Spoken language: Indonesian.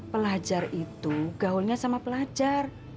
pelajar itu gaulnya sama pelajar